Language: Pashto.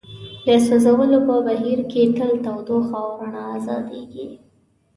د سوځولو په بهیر کې تل تودوخه او رڼا ازادیږي.